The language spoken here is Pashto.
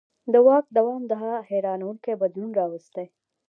د واک دوام دا حیرانوونکی بدلون راوستی.